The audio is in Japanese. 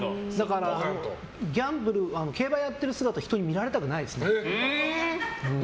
競馬やってる姿人に見られたくないですね。